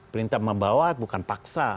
perintah membawa bukan paksa